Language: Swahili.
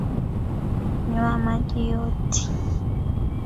Nywa maji yoti.